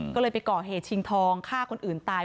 ก็เลยไปก่อเหตุชิงทองฆ่าคนอื่นตาย